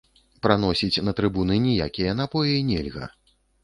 Праносіць на трыбуны ніякія напоі нельга.